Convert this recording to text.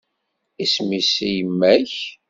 Isem-is i yemma-k?